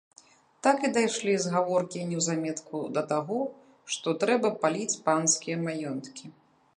Так і дайшлі з гаворкі неўзаметку да таго, што трэба паліць панскія маёнткі.